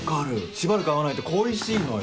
しばらく会わないと恋しいのよ。